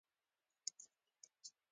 د انسان د بدن په اړه مطالعه پیل شوه.